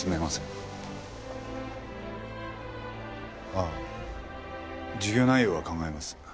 ああ授業内容は考えます。